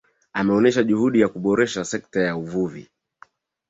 Ameonesha juhudi za kuboresha sekta ya uvuvi